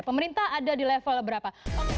pemerintah ada di level berapa